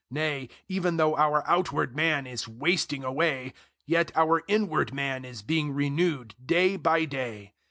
Nay, even though our outward man is wasting away, yet our inward man is being renewed day by day.